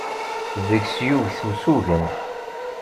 Deg-s yuget usugen.